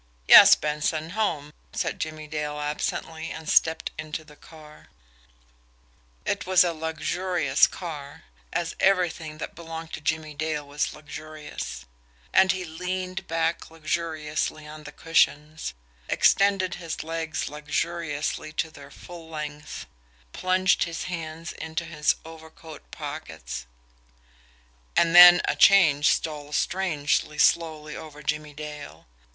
"Yes, Benson home," said Jimmie Dale absently, and stepped into the car. It was a luxurious car, as everything that belonged to Jimmie Dale was luxurious and he leaned back luxuriously on the cushions, extended his legs luxuriously to their full length, plunged his hands into his overcoat pockets and then a change stole strangely, slowly over Jimmie Dale.